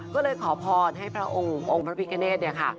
ก็เลยขอพรให้พระองค์องค์พระพิเกเนสค่ะ